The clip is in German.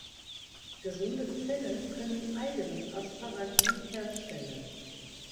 Gesunde Zellen können eigenes Asparagin herstellen.